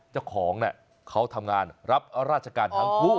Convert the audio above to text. เจ้าของเขาทำงานรับราชการทั้งคู่